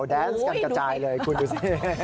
แดนส์กันกระจายเลยคุณดูสิ